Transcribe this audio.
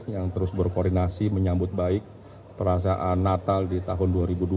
yang terus berkoordinasi menyambut baik perasaan natal di tahun dua ribu dua puluh